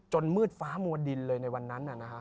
จนมืดฟ้ามัวดินเลยในวันนั้นน่ะนะฮะ